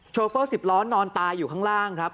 โชเฟอร์สิบล้อนนอนตายอยู่ข้างล่างครับ